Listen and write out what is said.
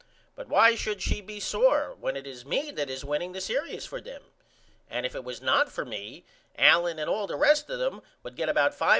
But why should she be sore when it is me that is winning the serious for them? And if it was not for me Allen and all the rest of them would get about $500.